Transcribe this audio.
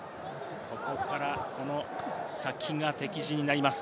この先が敵陣になります。